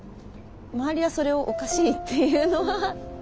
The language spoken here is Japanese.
周りはそれを「おかしい」って言うのは。